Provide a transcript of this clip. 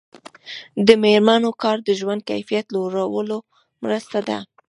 د میرمنو کار د ژوند کیفیت لوړولو مرسته ده.